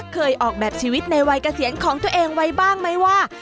เคยออกแบบชีวิตในวัยเกษียณของตัวเองไว้บ้างไหมว่า